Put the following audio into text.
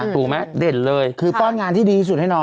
ถูกไหมเด่นเลยคือป้อนงานที่ดีที่สุดให้น้อง